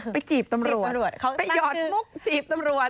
จีบตำรวจไปหยอดมุกจีบตำรวจ